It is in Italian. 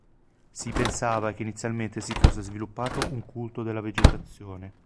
Si pensava che inizialmente si fosse sviluppato un culto della vegetazione.